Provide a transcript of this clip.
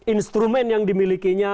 instrumen yang dimiliki